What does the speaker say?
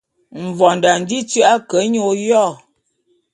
Mvondô a nji tu’a ke nya oyô.